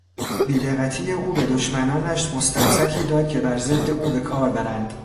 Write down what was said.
بیدقتی او به دشمنانش مستمسکی داد که بر ضد او به کار برند.